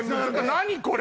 何これ？